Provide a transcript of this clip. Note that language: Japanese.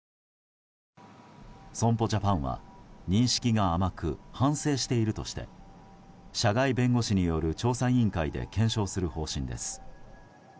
損保ジャパンは認識が甘く反省しているとして社外弁護士による調査委員会で検証する方針です。